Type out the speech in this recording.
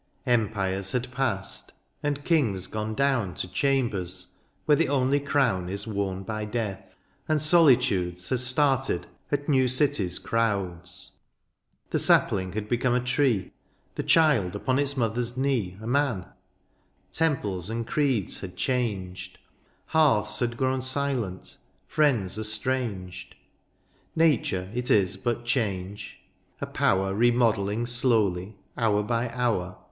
Empires had passed, and kings gone down To chambers where the only crown Is worn by death ; and solitudes Had started at new cities^ crowds ; The sapling had become a tree ; The child upon its mother's knee A man ; temples and creeds had changed ; Hearths had grown silent, friends estranged. Nature, it is but change ; a power Remodelling slowly, hour by hour.